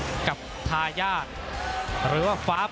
รอคะแนนจากอาจารย์สมาร์ทจันทร์คล้อยสักครู่หนึ่งนะครับ